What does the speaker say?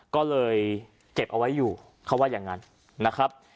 ก็เลยเก็บเอาไว้อยู่เขาว่าอย่างนั้นนะครับ